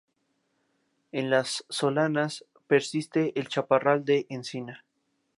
En las solanas persiste el chaparral de encina.